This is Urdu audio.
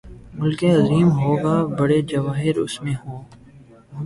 ملک عظیم ہو گا، بڑے جواہر اس میں ہوں۔